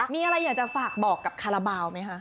มีอะไรอยากจะฝากบอกกับคาราบาลไหมคะ